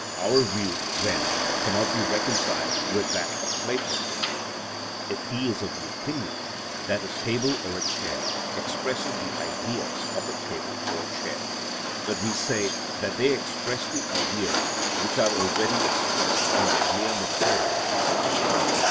Our view, then, cannot be reconciled with that of Plato if he is of opinion that a table or a chair express the Idea of a table or a chair (De Rep., x., pp. 284, 285, et Parmen., p. 79, ed. Bip.), but we say that they express the Ideas which are already expressed in their mere material as such.